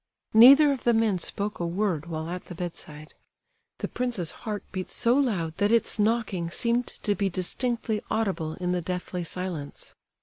Neither of the men spoke a word while at the bedside. The prince's heart beat so loud that its knocking seemed to be distinctly audible in the deathly silence.